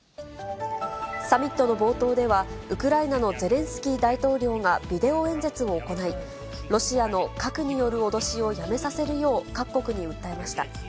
サミットの冒頭では、ウクライナのゼレンスキー大統領がビデオ演説を行い、ロシアの核による脅しをやめさせるよう各国に訴えました。